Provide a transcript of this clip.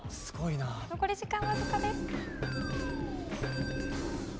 残り時間わずかです。